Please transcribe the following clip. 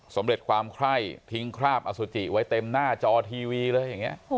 สำเร็จความไข้ทิ้งคราบอสุจิไว้เต็มหน้าจอทีวีเลย